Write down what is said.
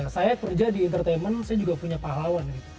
saya kerja di entertainment saya juga punya pahlawan gitu